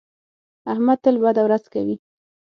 احمد تل بده ورځ کوي.